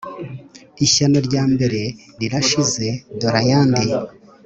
Ishyano rya mbere rirashize dore ayandi